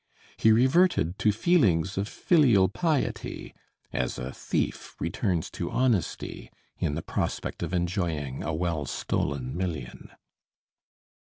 He reverted to feelings of filial piety, as a thief returns to honesty in the prospect of enjoying a well stolen million.